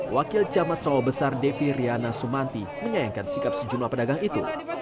wakil camat sawah besar devi riana sumanti menyayangkan sikap sejumlah pedagang itu